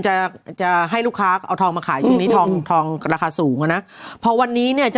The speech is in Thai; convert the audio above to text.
จะให้ลูกค้าเอาทองมาขายช่วงนี้ทองราคาสูงนะเพราะวันนี้เนี่ย